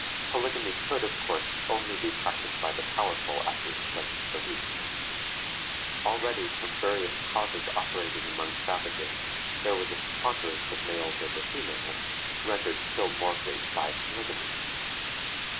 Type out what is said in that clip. Polygamy could, of course, only be practiced by the powerful at the expense of the weak. Already, from various causes operating among savages there was a preponderance of males over females, rendered still more great by polygamy.